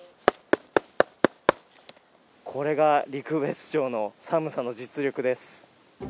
これが陸別町の寒さの実力です。